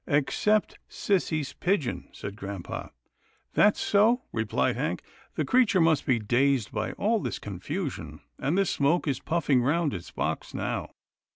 " Except sissy's pigeon," said grampa. " That's so," replied Hank, " the creature must be dazed by all this confusion, and the smoke is puffing round its box now."